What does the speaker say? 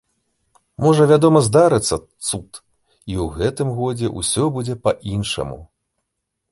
Можа, вядома, здарыцца цуд, і ў гэтым годзе ўсё будзе па-іншаму.